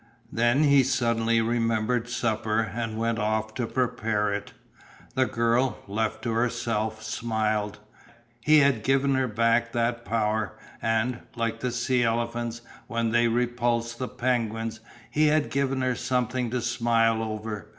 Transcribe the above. Then he suddenly remembered supper and went off to prepare it. The girl, left to herself, smiled. He had given her back that power and, like the sea elephants when they repulsed the penguins, he had given her something to smile over.